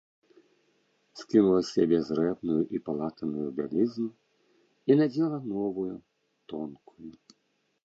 Скінула з сябе зрэбную і палатаную бялізну і надзела новую, тонкую.